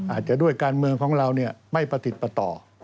อาจจะด้วยการเมืองของเราไม่ประติดประต่อ